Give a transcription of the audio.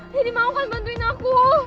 mau kan bantuin aku